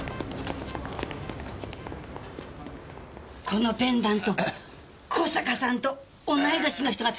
このペンダント小坂さんと同い年の人がつけてたんだ。